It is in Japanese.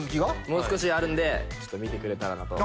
もう少しあるんでちょっと見てくれたらなと。